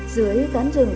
dưới tán rừng